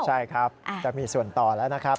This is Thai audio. ใช่ครับจะมีส่วนต่อแล้วนะครับ